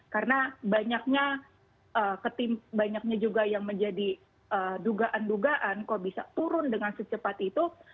karena banyaknya juga yang menjadi dugaan dugaan kalau bisa turun dengan secepat itu